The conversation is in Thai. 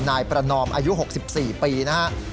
นายประนอมอายุ๖๔ปีนะครับ